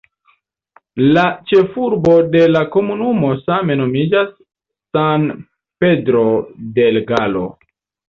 La ĉefurbo de la komunumo same nomiĝas "San Pedro del Gallo".